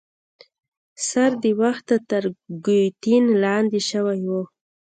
سر د وخته تر ګیوتین لاندي شوی وو.